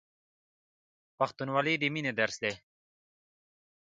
پښتونولي د مینې درس دی.